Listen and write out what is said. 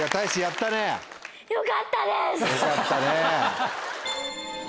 よかったね。